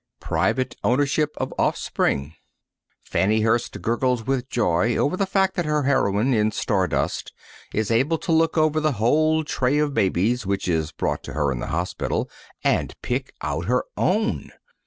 III PRIVATE OWNERSHIP OF OFFSPRING Fannie Hurst gurgles with joy over the fact that her heroine in "Star Dust" is able to look over the whole tray of babies which is brought to her in the hospital and pick out her own.